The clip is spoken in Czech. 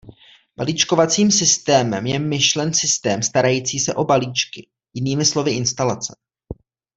Balíčkovacím systémem je myšlen systém starající se o balíčky, jinými slovy instalace.